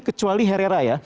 kecuali herrera ya